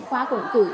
khóa cũng tự